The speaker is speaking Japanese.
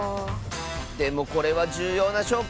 でもこれはじゅうようなしょうこ！